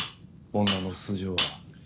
女の素性は？